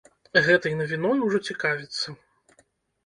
Гэтай навіной ужо цікавяцца.